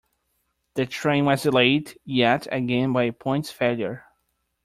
The train was delayed yet again by a points failure